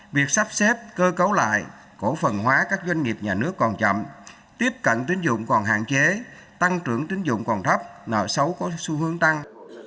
việc sắp xếp cơ cấu lại cổ phần hóa các doanh nghiệp nhà nước còn chậm tiếp cận tín dụng còn hạn chế tăng trưởng tín dụng còn thấp nợ xấu có xu hướng tăng